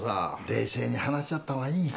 冷静に話し合ったほうがいいよ。